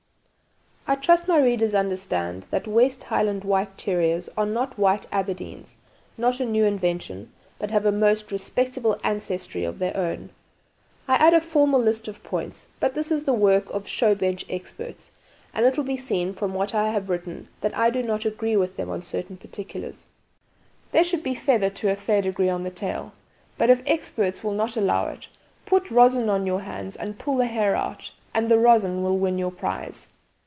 "I trust my readers understand that the West Highland White Terriers are not White Aberdeens, not a new invention, but have a most respectable ancestry of their own. I add the formal list of points, but this is the work of show bench experts and it will be seen from what I have written that I do not agree with them on certain particulars. There should be feather to a fair degree on the tail, but if experts will not allow it, put rosin on your hands and pull the hair out and the rosin will win your prize.